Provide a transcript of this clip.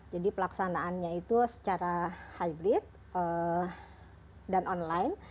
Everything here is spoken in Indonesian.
jadi pelaksanaannya itu secara hybrid dan online